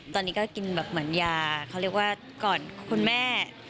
ตอนนี้ก็กินแบบเหมือนยาเขาเรียกว่าก่อนคุณแม่